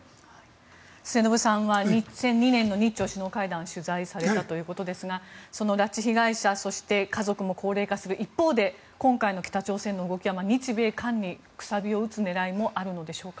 末延さんは２００２年の日朝首脳会談を取材されたということですが拉致被害者そして家族も高齢化する一方で今回の北朝鮮の動きは日米韓に楔を打つ狙いもあるのでしょうか。